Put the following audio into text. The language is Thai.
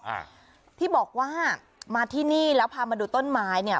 อ่าที่บอกว่ามาที่นี่แล้วพามาดูต้นไม้เนี่ย